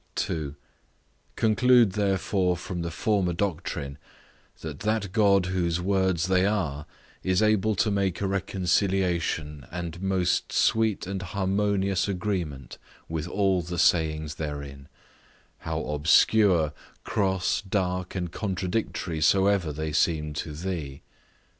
2. Conclude therefore from the former doctrine, that that God whose words they are, is able to make a reconciliation and most sweet and harmonious agreement with all the sayings therein, how obscure, cross, dark, and contradictory soever they seem to thee.